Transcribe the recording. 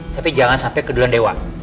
tapi jangan sampai keduluan dewa